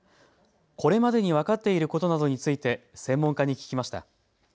これまでに分かっていることなどについて専門家に聞きました。